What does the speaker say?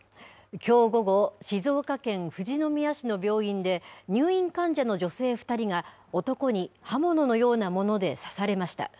きょう午後、静岡県富士宮市の病院で、入院患者の女性２人が男に刃物のようなもので刺されました。